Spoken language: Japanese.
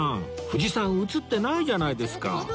藤さん写ってないじゃないですか